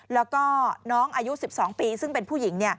แล้วก็น้องอายุ๑๒ปีซึ่งเป็นผู้หญิง